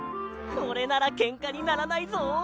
これならけんかにならないぞ！